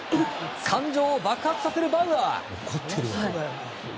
感情を爆発させるバウアー！